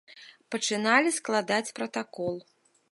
І пачыналі складаць пратакол.